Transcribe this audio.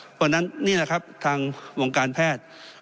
เพราะฉะนั้นนี่แหละครับทางวงการแพทย์